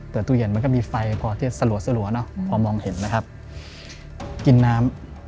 ตู้เย็นมันก็มีไฟพอที่จะสลัวเนอะพอมองเห็นนะครับกินน้ำ